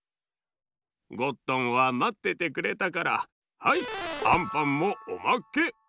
ゴットンはまっててくれたからはいあんパンもおまけ！